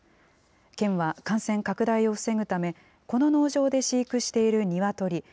県は感染拡大を防ぐため、この農場で飼育しているニワトリ